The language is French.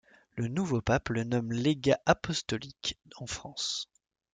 Le nouveau pape le nomme légat apostolique en France.